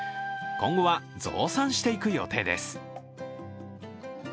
今後は、増産していく予定です。